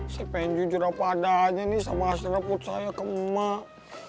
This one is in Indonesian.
si pengen jujur apa ada aja nih sama hasrat put saya ke emak